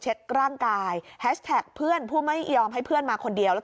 ร่างกายแฮชแท็กเพื่อนผู้ไม่ยอมให้เพื่อนมาคนเดียวแล้ว